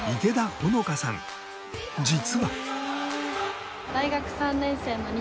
実は。